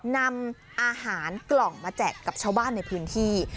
นำอาหารกล่องมาแจกกับชาวบ้านในพื้นที่